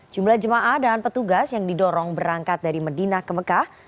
jumlah jemaah dan petugas yang didorong berangkat dari medinah ke mekah